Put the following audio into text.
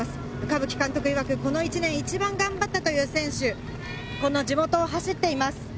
冠木監督いわく、この１年、一番頑張ったという選手、この地元を走っています。